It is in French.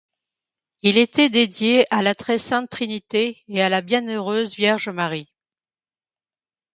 Il était dédié à la Très Sainte Trinité et à la Bienheureuse Vierge Marie.